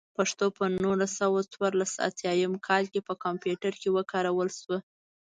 پښتو په نولس سوه څلور اتيايم کال کې په کمپيوټر کې وکارول شوه.